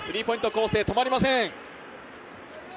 攻勢止まりません。